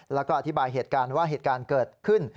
แล้วก็อธิบายเหตุการณ์ว่าเหตุการณ์เกิดขึ้น